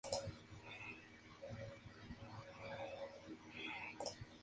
Como su padre fue el ex-general de Goguryeo, se nació y creció en Goguryeo.